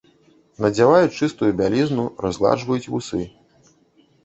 Надзяваюць чыстую бялізну, разгладжваюць вусы.